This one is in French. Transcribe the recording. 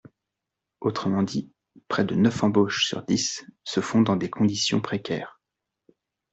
Autrement dit, près de neuf embauches sur dix se font dans des conditions précaires.